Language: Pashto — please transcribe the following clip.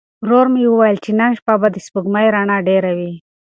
ورور مې وویل چې نن شپه به د سپوږمۍ رڼا ډېره وي.